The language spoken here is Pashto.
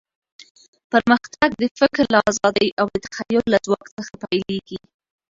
پرمختګ د فکر له ازادۍ او د تخیل له ځواک څخه پیلېږي.